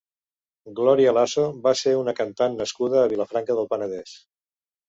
Gloria Lasso va ser una cantant nascuda a Vilafranca del Penedès.